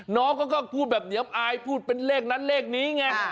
น้องเขาก็พูดแบบเหนียมอายพูดเป็นเลขนั้นเลขนี้ไง